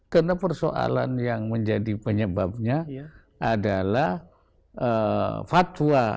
karena persoalan yang menjadi penyebabnya adalah fatwa